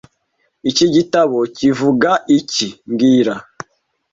Iki gitabo kivuga iki mbwira